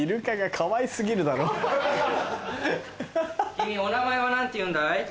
君お名前は何ていうんだい？